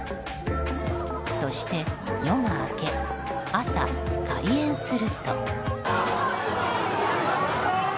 そして夜が明け朝、開園すると。